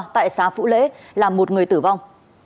tại xã phủ lễ làm một người tử vong